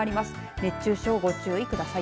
熱中症、ご注意ください。